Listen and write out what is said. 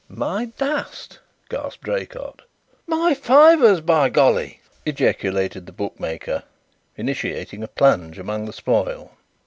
"My dust!" gasped Draycott. "My fivers, by golly!" ejaculated the bookmaker, initiating a plunge among the spoil.